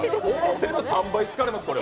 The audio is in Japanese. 見る３倍疲れます。